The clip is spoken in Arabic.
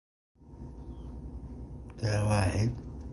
ودعي لي مخدَّتي